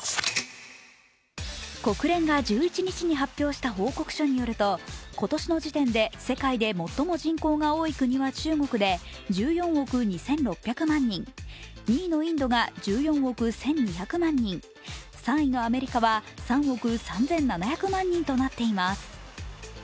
国連が１１日に発表した報告書によると今年の時点で世界で最も人口が多い国は中国で１４億２６００万人、２位のインドが１４億１２００万人、３位のアメリカは３億３７００万人となっています。